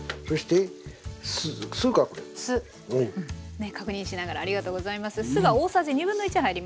ねえ確認しながらありがとうございます。